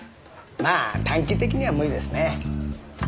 まあ短期的には無理ですね。